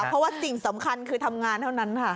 เพราะว่าสิ่งสำคัญคือทำงานเท่านั้นค่ะ